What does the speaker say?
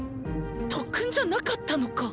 特訓じゃなかったのか。